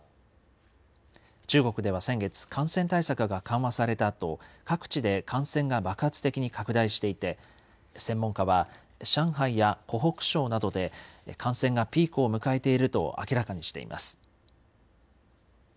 中国では先月、感染対策が緩和されたあと、各地で感染が爆発的に拡大していて、専門家は、上海や湖北省などで感染がピークを迎えていると明らかにしています。